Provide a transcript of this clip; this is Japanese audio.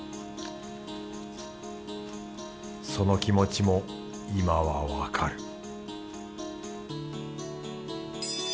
その気持ちも今はわかる